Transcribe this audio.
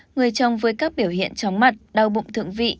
người chồng với các biểu hiện chóng mặt đau bụng thượng vị